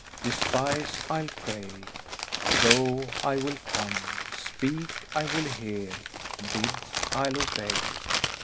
Despise; I'll pray! * Go; I will come! Speak; I will hear! Bid; I'll obey!'"